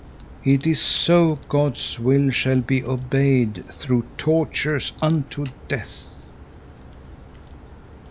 … It is so God's will shall be obeyed through tortures unto death.